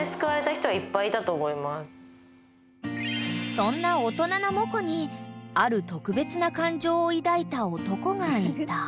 ［そんな大人なモコにある特別な感情を抱いた男がいた］